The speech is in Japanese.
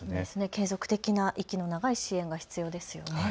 継続的な息の長い支援が必要ですよね。